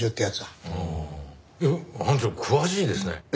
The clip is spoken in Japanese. ああ班長詳しいですね。